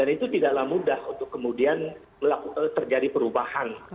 dan itu tidaklah mudah untuk kemudian terjadi perubahan